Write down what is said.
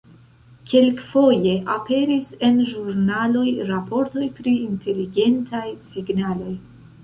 Kelkfoje aperis en ĵurnaloj raportoj pri inteligentaj signaloj.